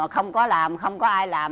không có làm không có ai làm